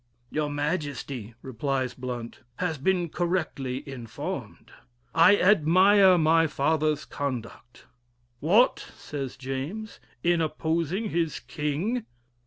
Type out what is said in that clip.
"Your Majesty," replies Blount, "has been correctly informed; I admire my father's conduct." "What!" says James, "in opposing his king?"